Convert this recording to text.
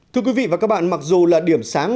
thưa quý vị và các bạn mặc dù là điểm sáng